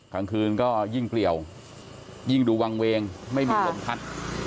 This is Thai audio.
คลังคืนก็ยิ่งเปรี้ยวยิ่งดูหวังเววงไม่มีลมทัศน์